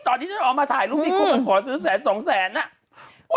ตอนที่เราออกมาถ่ายรูปนี้คุณก็ขอซื้อแสนสองแสนน่ะ